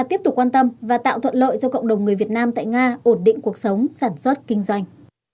tiếp tục quan tâm và tạo thuận lợi cho cộng đồng người việt nam tại nga ổn định cuộc sống sản xuất kinh doanh